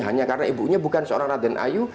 hanya karena ibunya bukan seorang raden ayu